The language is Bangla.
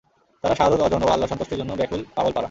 তারা শাহাদাত অর্জন ও আল্লাহর সন্তুষ্টির জন্য ব্যাকুল পাগলপারা।